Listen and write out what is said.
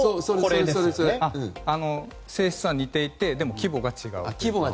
性質は似ていてでも規模が違います。